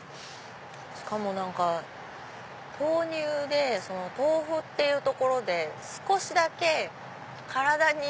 しかも豆乳で豆腐っていうところで少しだけ体に。